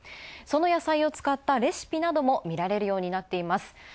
その野菜を使ったレシピなども見られるようになっています。